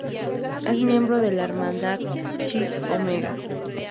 Es miembro de la hermandad "Chi Omega".